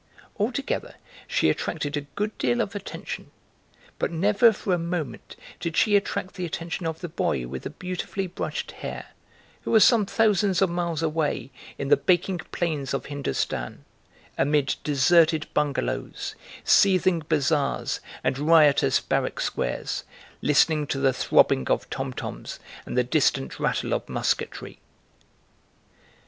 Altogether she attracted a good deal of attention, but never for a moment did she attract the attention of the boy with the beautifully brushed hair, who was some thousands of miles away in the baking plains of Hindostan, amid deserted bungalows, seething bazaars, and riotous barrack squares, listening to the throbbing of tom toms and the distant rattle of musketry.